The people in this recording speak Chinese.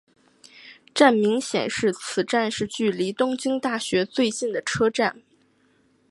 站名显示此站是距离东京大学最近的车站。